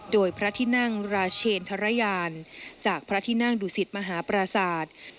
โดยพระทินังราเชนทรยานจากพระทินังดุสิตมหาประสาท